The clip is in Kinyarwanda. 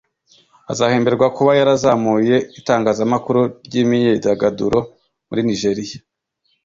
azahemberwa kuba yarazamuye itangazamakuru ry’imyidagaduro muri Nigeriya